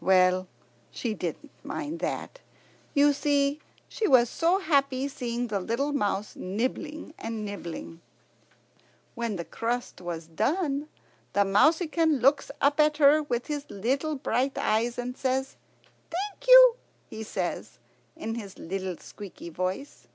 Well, she didn't mind that. You see, she was so happy seeing the little mouse nibbling and nibbling. When the crust was done the mouseykin looks up at her with his little bright eyes, and "Thank you," he says, in a little squeaky voice.